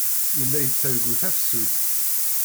Yella yettargu tafsut.